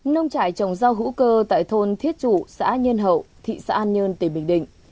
nông trại trồng rau hữu cơ tại thôn thiết chủ xã nhân hậu thị xã an nhơn tỉnh bình định